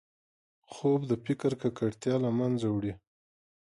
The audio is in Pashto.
خوب د فکر ککړتیا له منځه وړي